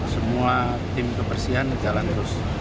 semua tim kebersihan jalan terus